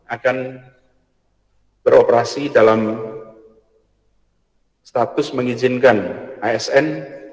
akan beroperasi dalam status mengizinkan asn